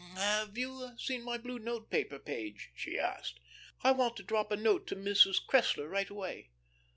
"Have you seen my blue note paper, Page?" she asked. "I want to drop a note to Mrs. Cressler, right away."